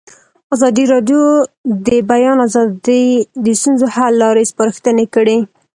ازادي راډیو د د بیان آزادي د ستونزو حل لارې سپارښتنې کړي.